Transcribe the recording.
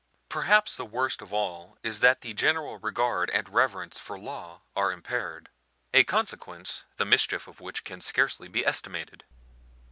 Perhaps. the worst of all is that the general regard and reverence for law are impaired, a consequence the mischief of which can scarcely be estimated (p.